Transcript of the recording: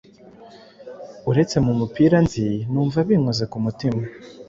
uretse mu mupira anzi numva binkoze ku mutima